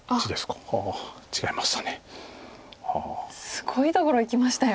すごいところいきましたよ。